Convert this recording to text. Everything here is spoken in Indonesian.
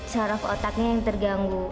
sarap otaknya yang terganggu